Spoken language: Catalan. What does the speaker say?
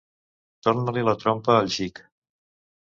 Torna-li la trompa al xic!